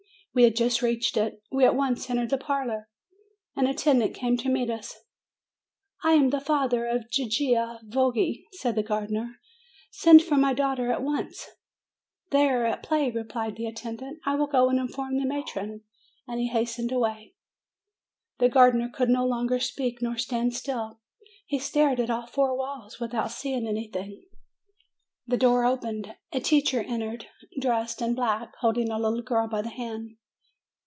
We had just reached it. We at once entered the parlor. An attendent came to meet us. "I am the father of Gigia Voggi," said the gardener; "send for my daughter at once." "They are at play," replied the attendant : "I will go and inform the matron." And he hastened away. The gardener could no longer speak nor stand still ; 302 MAY he stared at all four walls, without seeing any thing. The door opened; a teacher entered, dressed in black, holding a little girl by the hand.